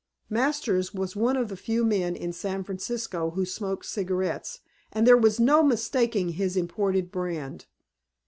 Masters was one of the few men in San Francisco who smoked cigarettes and there was no mistaking his imported brand.